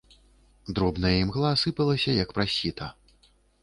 Дробная імгла сыпалася як праз сіта.